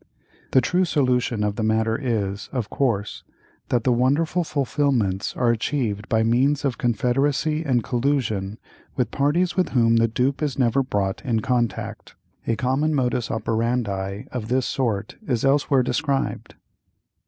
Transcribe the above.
The true solution of the matter is, of course, that the wonderful fulfilments are achieved by means of confederacy and collusion with parties with whom the dupe is never brought in contact; a common modus operandi of this sort is elsewhere described.